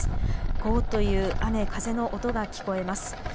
ごーっという雨、風の音が聞こえます。